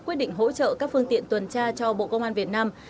quyết định hỗ trợ các phương tiện tuần tra cho bộ công an việt nam